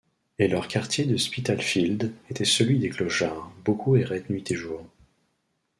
Et leur quartier de Spitalfields était celui des clochards, beaucoup erraient nuit et jour.